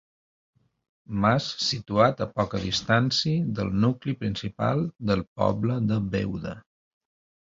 Mas situat a poca distància del nucli principal del poble de Beuda.